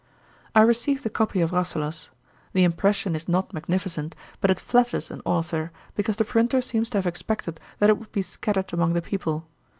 'I received the copy of Rasselas. The impression is not magnificent, but it flatters an authour, because the printer seems to have expected that it would be scattered among the people.